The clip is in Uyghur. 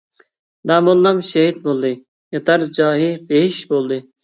داموللام شېھىت بولدى، ياتار جايى بېھىش بولدى.